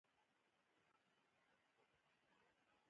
د بلوشفټ نږدې شیان ښيي.